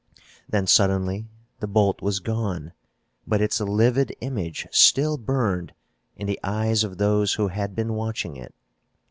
Then suddenly the bolt was gone, but its livid image still burned in the eyes of those who had been watching it.